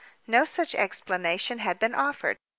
No such explanation had been offered.